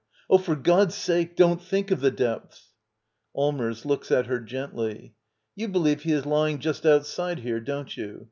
] Oh, for God*s sake — don't think of the depths! Allmbrs. [Looks at her gently.] You believe he is lying just outside here, don't you?